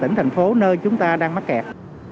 tỉnh thành phố nơi chúng ta đang mắc kẹt